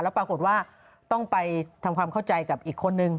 ปรากฏว่าต้องไปทำความเข้าใจกับอีกคนนึง